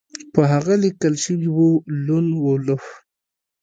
په هغه لیکل شوي وو لون وولف